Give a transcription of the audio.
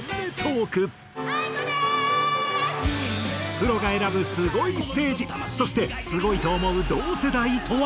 プロが選ぶすごいステージそしてすごいと思う同世代とは？